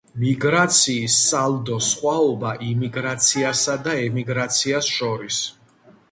მიგრაციის სალდო-სხვაობა იმიგრაციასა და ემიგრაციის შორის